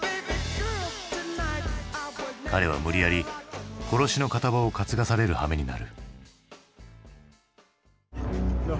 彼は無理やり殺しの片棒を担がされるはめになる。